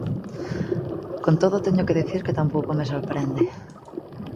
Con todo, teño que dicir que tampouco me sorprende.